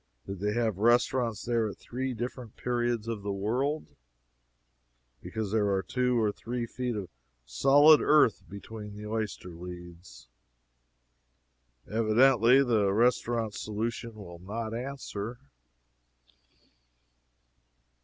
Did they have restaurants there at three different periods of the world? because there are two or three feet of solid earth between the oyster leads. Evidently, the restaurant solution will not answer.